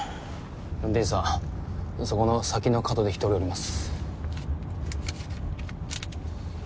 運転手さんそこの先の角で１人降ります。